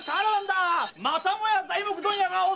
またもや材木問屋が襲われた！